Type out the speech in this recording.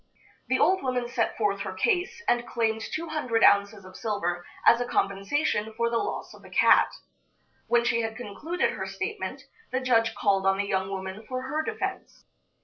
The old woman set forth her case, and claimed two hundred ounces of silver as a compensation for the loss of the cat. When she had concluded her statement, the judge called on the young woman for her defense.